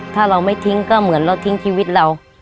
ถ้าเราไม่ทิ้งก็เหมือนเราทิ้งชีวิตเรา